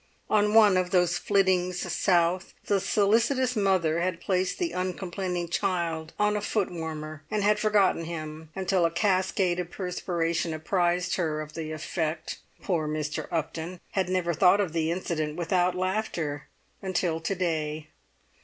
On one of those flittings south the solicitous mother had placed the uncomplaining child on a footwarmer, and forgotten him until a cascade of perspiration apprised her of the effect: poor Mr. Upton had never thought of the incident without laughter, until to day.